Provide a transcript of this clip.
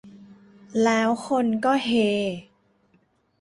แล้วคนก็เฮ